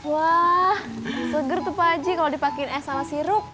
wah seger tuh pak haji kalau dipakein es sama sirup